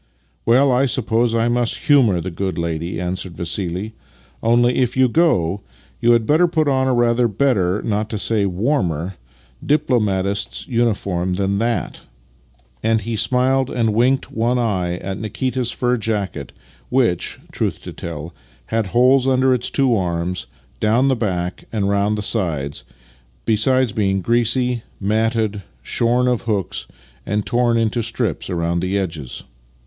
" Well, I suppose I must humour the good lady," answered Vassih. " Only, if you go, you had better put on a rather better, not to say warmer, diplo matist's uniform than that," — and he smiled and 8 Master and Man winked one eye at Nikita's fur jacket, which, truth to tell, had holes under its two arms, down the back, and round the sides, besides being greasy, matted, shorn of hooks, and torn into strips round the edges.